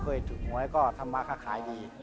พอเคยถูกไหวก็ทำมาค่าดี